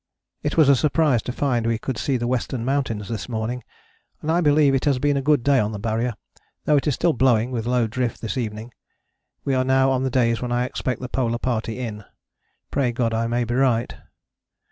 It was a surprise to find we could see the Western Mountains this morning, and I believe it has been a good day on the Barrier, though it is still blowing with low drift this evening. We are now on the days when I expect the Polar Party in: pray God I may be right.